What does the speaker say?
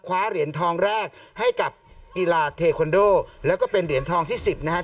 คว้าเหรียญทองแรกให้กับกีฬาเทคอนโดแล้วก็เป็นเหรียญทองที่สิบนะครับ